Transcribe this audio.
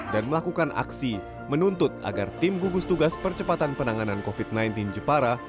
dan melakukan aksi menuntut agar tim gugus tugas percepatan penanganan covid sembilan belas jepara